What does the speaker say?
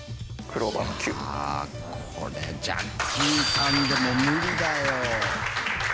これジャッキーさんでも無理だよ。